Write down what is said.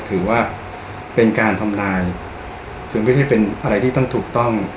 ถือว่าเป็นการทำนายคือไม่ใช่เป็นอะไรที่ต้องถูกต้อง